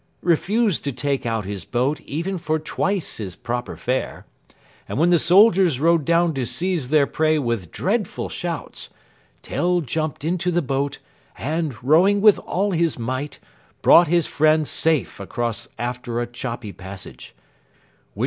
refused to take out his boat even for twice his proper fare, and when the soldiers rode down to seize their prey with dreadful shouts, Tell jumped into the boat, and, rowing with all his might, brought his friend safe across after a choppy passage.